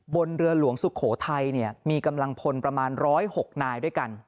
บนเรือหลวงสุโขทัยเนี่ยมีกำลังพลประมาณร้อยหกนายด้วยกัน